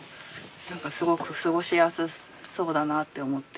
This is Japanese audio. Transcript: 何かすごく過ごしやすそうだなあって思って。